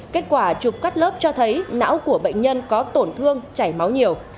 kết quả chụp cắt lớp cho thấy não của bệnh nhân có tổn thương chảy máu nhiều